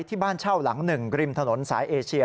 ที่บ้านเช่าหลังหนึ่งริมถนนสายเอเชีย